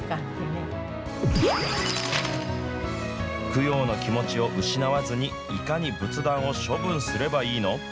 供養の気持ちを失わずに、いかに仏壇を処分すればいいの？